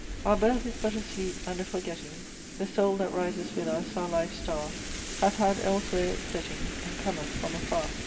"Our birth is but a sleep and a forgetting: The Soul that rises with us, our life's Star, Hath had elsewhere its setting, And cometh from afar.